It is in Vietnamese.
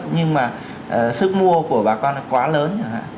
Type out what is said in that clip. nhưng mà sức mua của bà con là quá lớn